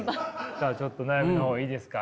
じゃあちょっと悩みの方いいですか？